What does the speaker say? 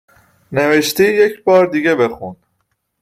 نوشتی یک بار دیگه بخون